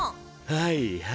はいはい。